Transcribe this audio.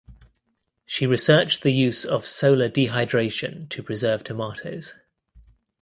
She researched the use of solar dehydration to preserve tomatoes.